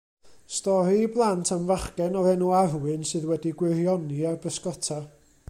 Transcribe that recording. Stori i blant am fachgen o'r enw Arwyn sydd wedi gwirioni ar bysgota.